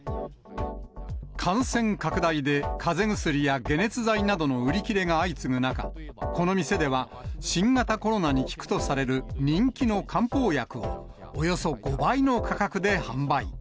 感染拡大で、かぜ薬や解熱剤などの売り切れが相次ぐ中、この店では、新型コロナに効くとされる、人気の漢方薬を、およそ５倍の価格で販売。